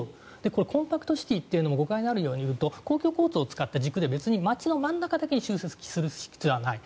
コンパクトシティというのも誤解があるようで、言うと公共交通を使った軸で別に街の真ん中に集積することじゃない。